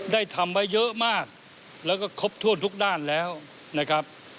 ทำไว้เยอะมากแล้วก็ครบถ้วนทุกด้านแล้วนะครับ